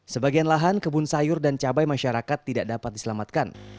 sebagian lahan kebun sayur dan cabai masyarakat tidak dapat diselamatkan